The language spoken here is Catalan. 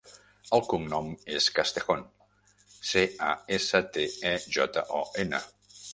El cognom és Castejon: ce, a, essa, te, e, jota, o, ena.